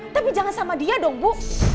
tapi jangan sama dia dong bu